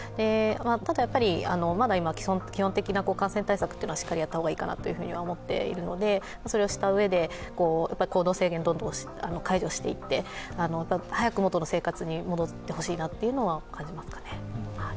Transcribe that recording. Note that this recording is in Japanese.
ただ、今、基本的な感染対策はしっかりやったほうがいいかなと思っているので、それをしたうえで行動制限、どんどん解除していって早く元の生活に戻ってほしいというのはありますね。